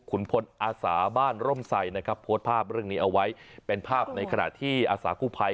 คุณพลอาสาบ้านร่มใส่นะครับโพสต์ภาพเรื่องนี้เอาไว้เป็นภาพในขณะที่อาสากู้ภัย